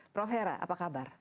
prof hera apa kabar